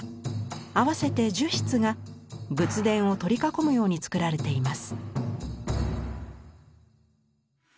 合わせて１０室が仏殿を取り囲むようにつくられています。